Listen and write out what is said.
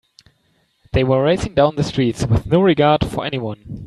They were racing down the streets with no regard for anyone.